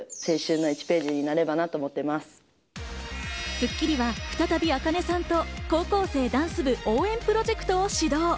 『スッキリ』は再びａｋａｎｅさんと高校生ダンス部応援プロジェクトを始動。